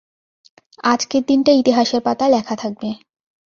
আজকের দিনটা ইতিহাসের পাতায় লেখা থাকবে।